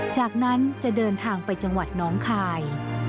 จากนั้นจะเดินทางไปจังหวัดน้องคาย